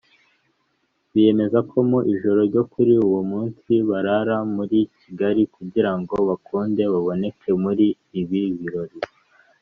biyemeza ko mu ijoro ryo kuri uwo munsi barara muri Kigali kugirango bakunde baboneke muri ibi birori